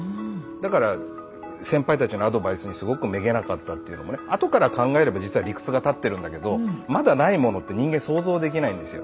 だから先輩たちのアドバイスにすごくめげなかったっていうのもねあとから考えれば実は理屈が立ってるんだけどまだないものって人間想像できないんですよ。